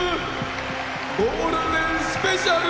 ゴールデンスペシャル！